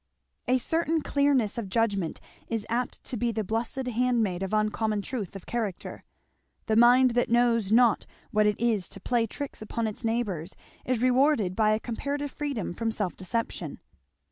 A certain clearness of judgment is apt to be the blessed handmaid of uncommon truth of character; the mind that knows not what it is to play tricks upon its neighbours is rewarded by a comparative freedom from self deception.